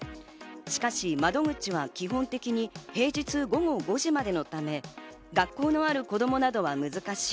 しかし窓口は基本的に平日午後５時までのため学校のある子供などは難しい。